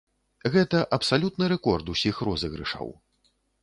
Гэта абсалютны рэкорд усіх розыгрышаў.